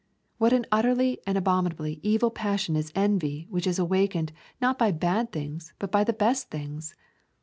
What an utterly and abominably evil passion is envy which is awakened not by bad things but by the best things!